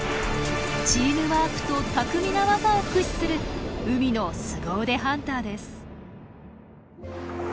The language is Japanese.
チームワークと巧みな技を駆使する海のすご腕ハンターです。